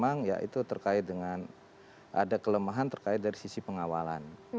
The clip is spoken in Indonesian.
memang ya itu terkait dengan ada kelemahan terkait dari sisi pengawalan